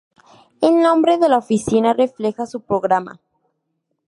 El nombre de la oficina refleja su programa.